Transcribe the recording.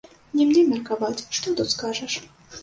Не мне меркаваць, што тут скажаш?!.